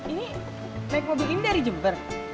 ini naik mobil ini dari jember